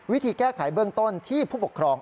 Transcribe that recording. วิธีแก้ไขเบื้องต้นที่ผู้ปกครอง